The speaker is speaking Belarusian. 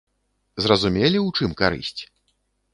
Зразумелі, у чым карысць?